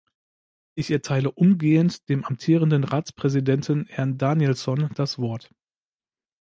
Ich erteile umgehend dem amtierenden Ratspräsidenten, Herrn Danielsson, das Wort.